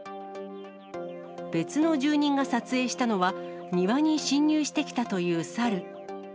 別の住人が撮影したのは、庭に侵入してきたというサル。